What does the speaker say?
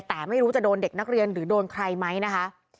แต่ไม่รู้จะโดนเด็กนักเรียนหรือโดนใครไหมนะคะ